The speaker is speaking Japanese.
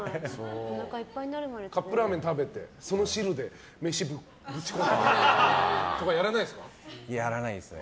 カップラーメン食べて、その汁で飯ぶち込んでとかやらないですか？